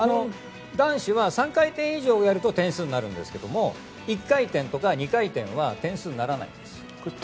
男子は３回転以上すると得点になるんですが１回転とか２回転は点数にならないんです。